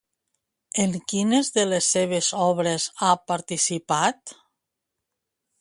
En quines de les seves obres ha participat?